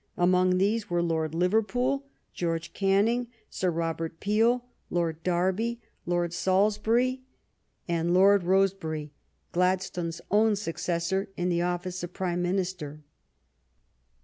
Among these were Lord Liverpool, George Can ning, Sir Robert Peel Lord Derby, Lord Salis 20 THE STORY OF GLADSTONE'S LIFE bury, and Lord Rosebery, Gladstone's own suc cessor in the office of Prime Minister.